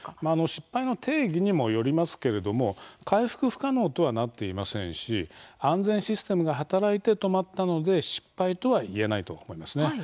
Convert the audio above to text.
失敗の定義にもよりますけれども回復不可能とはなっていませんし安全システムが働いて止まったので失敗とは言えないと思いますね。